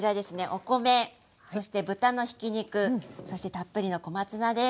お米そして豚のひき肉そしてたっぷりの小松菜です。